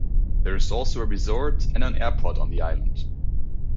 There is also a resort and an airport on the island.